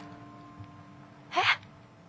「えっ？」。